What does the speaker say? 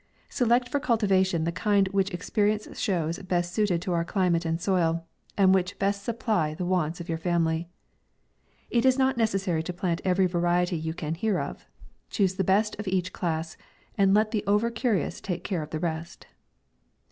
Select for cultivation the kind which experience shows best suited to our climate and soil, and which best supply the wants of your family. It is not necessary to plant every variety you can hear of. Choose the best of each class, and let the over curious take care of the rest.